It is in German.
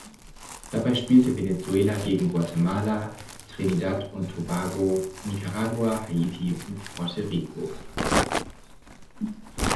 Dabei spielte Venezuela gegen Guatemala, Trinidad und Tobago, Nicaragua, Haiti und Puerto Rico.